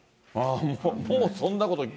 もうそんなこと。